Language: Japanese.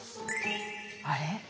あれ？